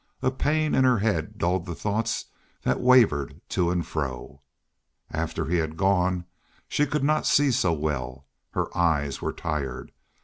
A pain in her head dulled the thoughts that wavered to and fro. After he had gone she could not see so well. Her eyes were tired.